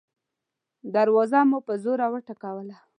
دروازه مو په زوره وټکوله.